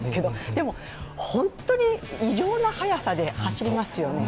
でも、本当に異常な速さで走りますよね。